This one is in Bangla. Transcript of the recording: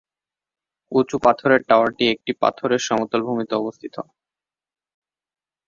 উঁচু পাথরের টাওয়ারটি একটি পাথরের সমতল ভূমিতে অবস্থিত।